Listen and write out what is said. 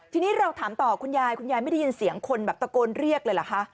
ทีนี้เราถามต่อคุณยายคุณยายไม่ได้ยินเสียงคนแบบตะโกนเรียกเลยเหรอคะ